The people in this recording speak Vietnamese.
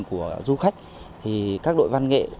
của du khách các đội văn nghệ